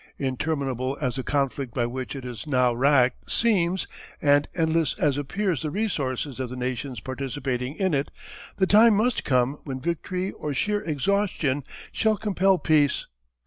Interminable as the conflict by which it is now racked seems, and endless as appear the resources of the nations participating in it, the time must come when victory or sheer exhaustion shall compel peace.